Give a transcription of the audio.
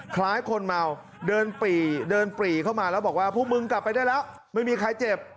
คล้ายคนเมาเดินปรีเดินปรีเข้ามาแล้วบอกว่าพวกมึงกลับไปได้แล้วไม่มีใครเจ็บ